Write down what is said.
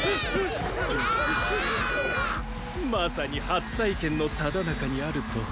まさに初体験の只中にあると。